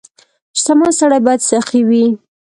• شتمن سړی باید سخي وي.